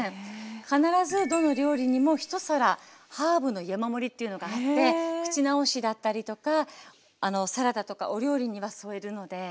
必ずどの料理にも一皿ハーブの山盛りっていうのがあって口直しだったりとかサラダとかお料理には添えるので。